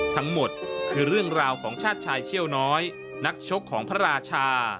ทั้งหมดคือเรื่องราวของชาติชายเชี่ยวน้อยนักชกของพระราชา